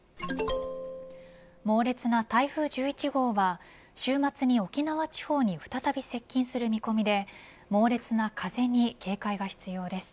猛烈な台風１１号は週末に沖縄地方に再び接近する見込みで猛烈な風に警戒が必要です。